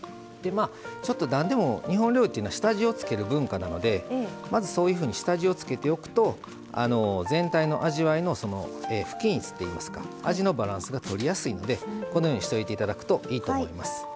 何でも日本料理というのは下味を付ける文化なのでまずそういうふうに下味を付けておくと全体の味わいの不均一っていいますか味のバランスがとりやすいのでこのようにしといて頂くといいと思います。